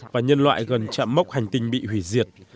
và nhân loại gần chạm mốc hành tinh bị hủy diệt